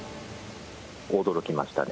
驚きましたね。